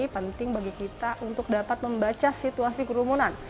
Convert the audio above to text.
penting bagi kita untuk dapat membaca situasi kerumunan